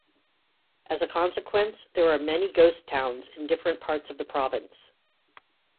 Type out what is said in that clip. As a consequence there are many ghost towns in different parts of the province.